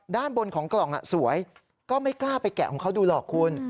ด้านบนของกล่องสวยก็ไม่กล้าไปแกะของเขาดูหรอกคุณ